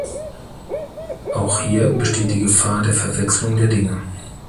Auch hier besteht die Gefahr der Verwechslung der Dinge.